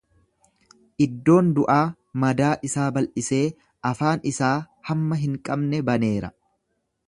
Iddoon du'aa madaa isaa bal'isee afaan isaa hamma hin qabne baneera.